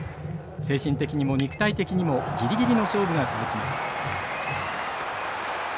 精神的にも肉体的にもギリギリの勝負が続きます。